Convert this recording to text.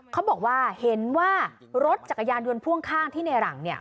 เขาบอกว่าเห็นว่ารถจักรยานยนต์พ่วงข้างที่ในหลังเนี่ย